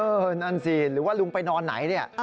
นั่นสิหรือว่าลุงไปนอนไหนเนี่ย